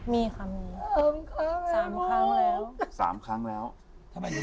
มีครับมี